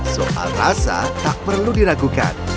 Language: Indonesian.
soal rasa tak perlu diragukan